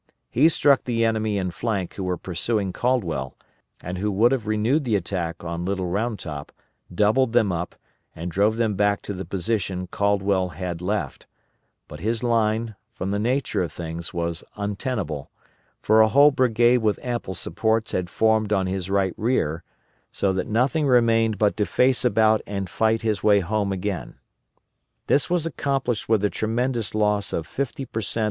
He struck the enemy in flank who were pursuing Caldwell, and who would have renewed the attack on Little Round Top, doubled them up, and drove them back to the position Caldwell had left; but his line, from the nature of things, was untenable, for a whole brigade with ample supports had formed on his right rear, so that nothing remained but to face about and fight his way home again. This was accomplished with the tremendous loss of fifty per cent.